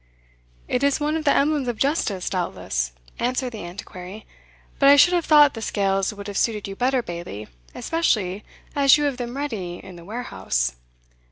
"It is one of the emblems of justice, doubtless," answered the Antiquary; "but I should have thought the scales would have suited you better, Bailie, especially as you have them ready in the warehouse."